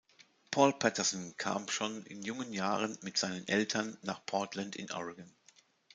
Paul Patterson kam schon in jungen Jahren mit seinen Eltern nach Portland in Oregon.